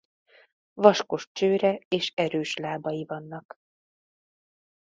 Vaskos csőre és erős lábai vannak.